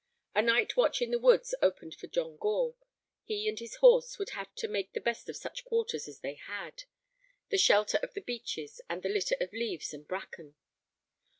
A night watch in the woods opened for John Gore; he and his horse would have to make the best of such quarters as they had, the shelter of the beeches and the litter of leaves and bracken.